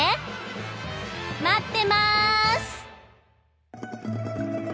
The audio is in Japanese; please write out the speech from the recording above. まってます！